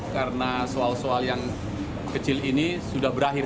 karena soal soal yang kecil ini sudah berakhir